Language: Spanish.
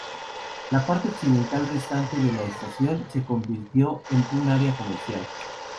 La parte occidental restante de la estación se convirtió en un área comercial.